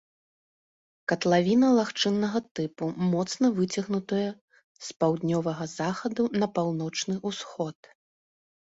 Катлавіна лагчыннага тыпу, моцна выцягнутая з паўднёвага захаду на паўночны ўсход.